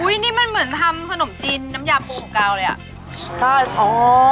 นี่มันเหมือนทำขนมจีนน้ำยาปูของกาวเลยอ่ะ